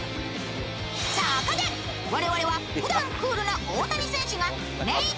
そこで我々はふだんクールな大谷選手がネンイチ！